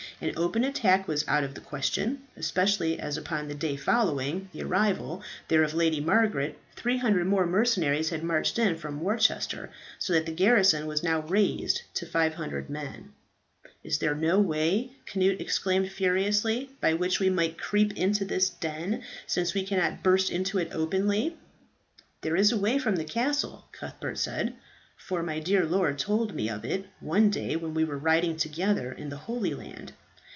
An open attack was out of the question, especially as upon the day following the arrival there of Lady Margaret, 300 more mercenaries had marched in from Worcester, so that the garrison was now raised to 500 men. "Is there no way," Cnut exclaimed furiously, "by which we might creep into this den, since we cannot burst into it openly?" "There is a way from the castle," Cuthbert said, "for my dear lord told me of it one day when we were riding together in the Holy Land.